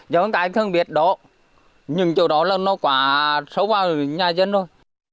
giống như các anh thân biết đó nhưng chỗ đó là nó quá sâu vào nhà dân thôi